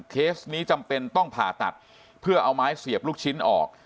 เคสนี้จำเป็นต้องผ่าตัดเพื่อเอาไม้เสียบลูกชิ้นออก